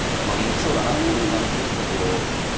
まあ元気そうだなっていう感じでしたけど。